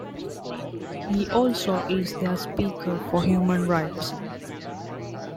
He also is their speaker for human rights.